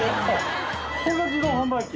これが自動販売機？